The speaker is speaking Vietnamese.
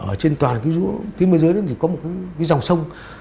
ở trên toàn cái rũa phía bên dưới đó thì có một cái dòng sông